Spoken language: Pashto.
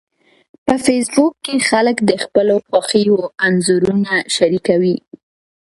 په فېسبوک کې خلک د خپلو خوښیو انځورونه شریکوي